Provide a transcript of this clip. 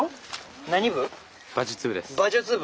何部？